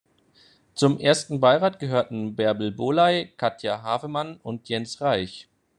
Zum ersten Beirat gehörten Bärbel Bohley, Katja Havemann und Jens Reich.